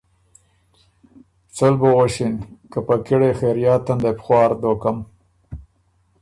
څۀ ل بُو غؤݭِن که ”په کِړئ خېریات ان لېپخوار دوکم“